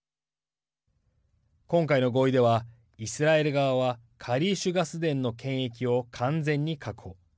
今回の合意では、イスラエル側はカリーシュ・ガス田の権益を完全に確保。